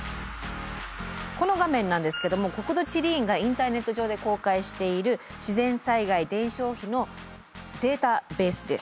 この画面なんですけども国土地理院がインターネット上で公開している自然災害伝承碑のデータベースです。